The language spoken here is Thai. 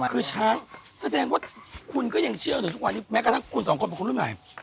คือช้างแสดงว่าคุณก็ยังเชื่อแม้กระทั่งคุณสองคนเป็นคุณใหม่